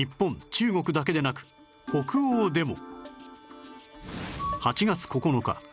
中国だけでなく北欧でも